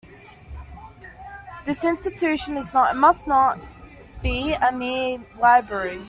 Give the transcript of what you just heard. This Institution is not, and must not be, a mere library.